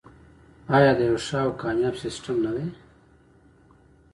آیا د یو ښه او کامیاب سیستم نه دی؟